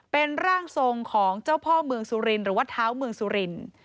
เป็นร่างทรงของเจ้าพ่อเมืองสุรินหรือว่าเท้าเมืองสุรินทร์